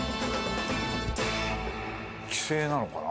規制なのかな？